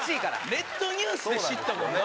ネットニュースで知ったもんな。